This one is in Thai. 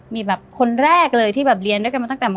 มีแบบคนแรกเลยที่แบบเรียนด้วยกันมาตั้งแต่ม๔